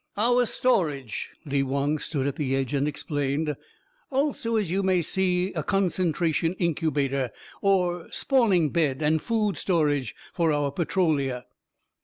"Our storage." Lee Wong stood at the edge and explained. "Also, as you may see, a concentration incubator, or spawning bed and food storage for our Petrolia."